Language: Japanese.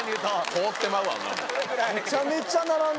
凍ってまうわんなもん。